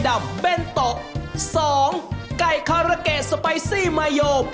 สอบคุณทั้ง๒คนสวัสดีครับ